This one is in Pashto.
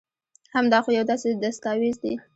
هم دا خو يو داسي دستاويز دي